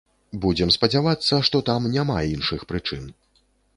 Будзем спадзявацца, што там няма іншых прычын.